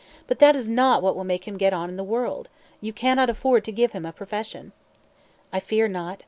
"But that is not what will make him get on in the world. You cannot afford to give him a profession." "I fear not.